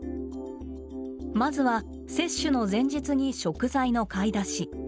まずは接種の前日に食材の買い出し。